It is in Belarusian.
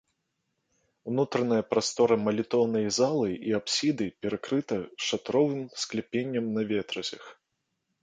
Унутраная прастора малітоўнай залы і апсіды перакрыта шатровым скляпеннем на ветразях.